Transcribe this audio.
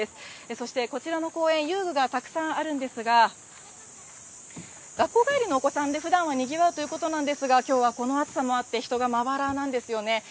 そしてこちらの公園、遊具がたくさんあるんですが、学校帰りのお子さんでふだんはにぎわうということなんですが、きょうはこの暑さもあって、人がまばらなんですよね。